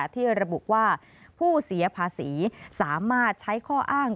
ที่ระบุว่าผู้เสียภาษีสามารถใช้ข้ออ้าง